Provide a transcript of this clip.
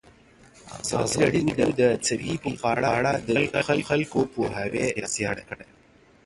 ازادي راډیو د طبیعي پېښې په اړه د خلکو پوهاوی زیات کړی.